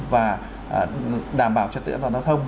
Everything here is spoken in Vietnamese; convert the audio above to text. và đảm bảo trật tự an toàn giao thông